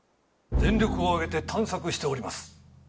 全力を挙げて探索しております。